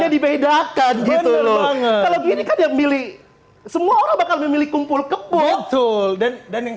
dibedakan gitu loh bang kalau gini kan yang milih semua orang bakal memilih kumpul kebocol dan dan yang